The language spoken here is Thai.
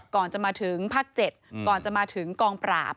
ก่อนจะมาถึงภาค๗ก่อนจะมาถึงกองปราบ